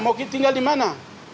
mau tinggal dimana